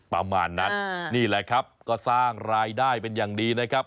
ประมาณนั้นนี่แหละครับก็สร้างรายได้เป็นอย่างดีนะครับ